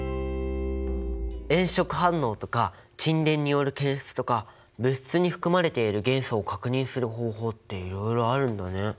炎色反応とか沈殿による検出とか物質に含まれている元素を確認する方法っていろいろあるんだね。